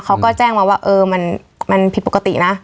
เขาก็แจ้งมาว่าเออมันผิดปกตินะ